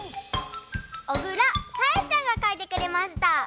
おぐらさえちゃんがかいてくれました。